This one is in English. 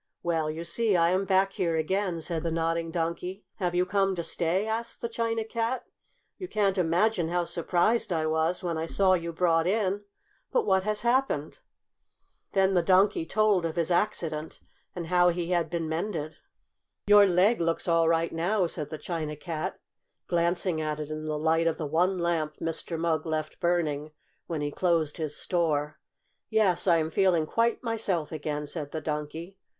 "Well, you see I am back here again," said the Nodding Donkey. "Have you come to stay?" asked the China Cat. "You can't imagine how surprised I was when I saw you brought in! But what has happened?" Then the Donkey told of his accident, and how he had been mended. "Your leg looks all right now," said the China Cat, glancing at it in the light of the one lamp Mr. Mugg left burning when he closed his store. "Yes, I am feeling quite myself again," said the Donkey.